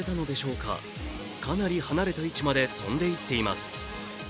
かなり離れた位置まで飛んでいっています。